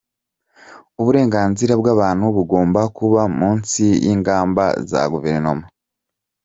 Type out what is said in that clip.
Uburenganzira bw’abantu bugomba kuba munsi y’ingamba za guverimona.